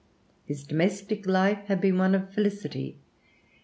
His domestic life had been one of felicity.